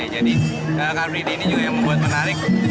jadi car free day ini juga yang membuat menarik